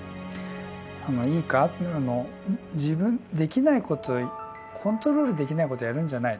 「いいか自分できないことコントロールできないことをやるんじゃない。